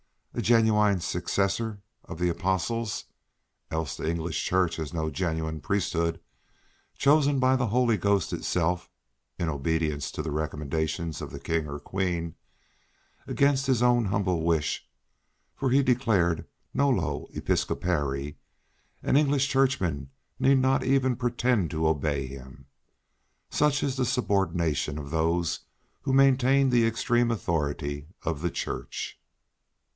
a genuine successor of the Apostles (else the English Church has no genuine priesthood) chosen by the Holy Ghost itself (in obedience to the recommendation of the King or Queen) against his own humble wish (for he declared Nolo Episcopari); and English Churchmen need not even pretend to obey him! Such is the subordination of those who maintain the extreme authority of the Church!